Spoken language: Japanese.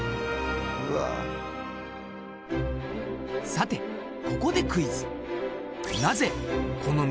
さてここでクイズ！